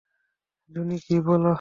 জুনি কি বলে?